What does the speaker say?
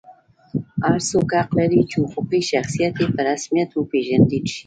هر څوک حق لري چې حقوقي شخصیت یې په رسمیت وپېژندل شي.